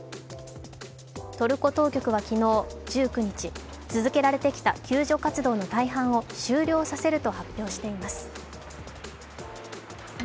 トルコ当局は昨日１９日、続けられてきた救助活動の大半を終了させると発表しています。